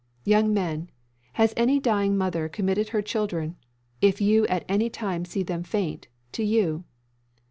Young men, has any dying mother committed her children, if you at any time see them faint, to you?